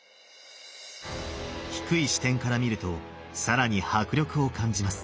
低い視点から見ると更に迫力を感じます。